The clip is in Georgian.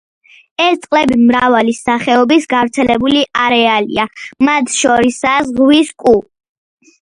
ეს წყლები მრავალი სახეობის გავრცელების არეალია, მათ შორისაა ზღვის კუ.